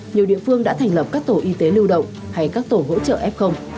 nhiều địa phương đã thành lập các tổ y tế lưu động hay các tổ hỗ trợ f